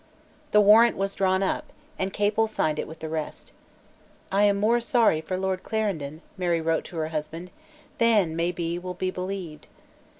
The warrant was drawn up; and Capel signed it with the rest. "I am more sorry for Lord Clarendon," Mary wrote to her husband, "than, may be, will be believed."